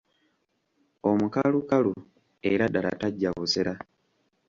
Omukalukalu era ddala tajja busera.